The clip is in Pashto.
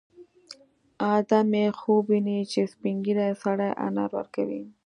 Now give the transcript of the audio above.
ادې یې خوب ویني چې سپین ږیری سړی انار ورکوي